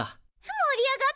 盛り上がってきた！